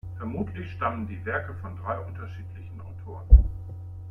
Vermutlich stammen die Werke von drei unterschiedlichen Autoren.